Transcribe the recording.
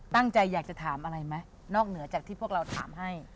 ตั้งใจอยากจะถามอะไรไหมนอกเหนือจากที่พวกเราถามให้